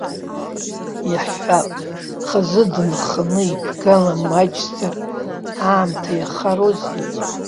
Иаҳҳәап, хазы дынхоны иԥгала маҷзар аамҭа иахароузи?